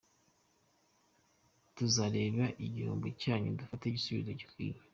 Tuzareba igihombo n’inyungu, dufate igisubizo gikwiriye.